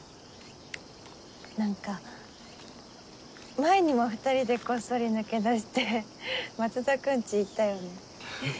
なんか前にも２人でこっそり抜け出して松田くんち行ったよね。